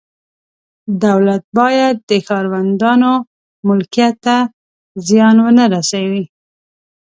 دولت باید د ښاروندانو ملکیت ته زیان نه ورسوي.